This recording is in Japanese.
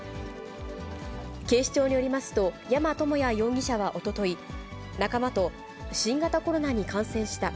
警視庁によりますと、山智也容疑者はおととい、仲間と新型コロナに感染した。